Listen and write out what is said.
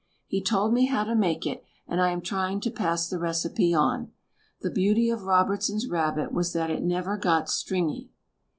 He told me how to make it, and I am trying to pass the recipe on. The beauty of Robertson's rabbit was that it never got stringy.